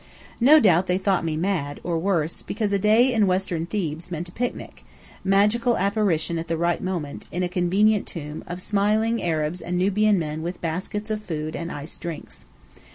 No doubt they thought me mad, or worse, because a day in western Thebes meant a picnic: magical apparition at the right moment, in a convenient tomb, of smiling Arabs and Nubian men with baskets of food and iced drinks.